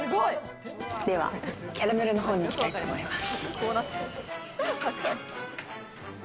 ではキャラメルの方に行きたいと思います。